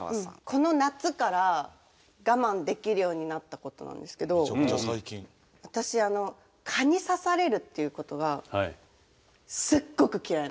この夏から我慢できるようになったことなんですけど私蚊に刺されるっていうことがすっごく嫌いなんですね。